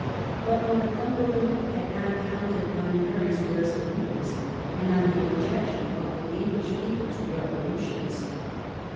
But Northum berland had not counted on Mary's resoluteness, and on the objection of the English people to revolu tions.